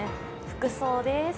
服装です。